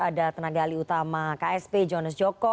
ada tenaga alih utama ksp jonas joko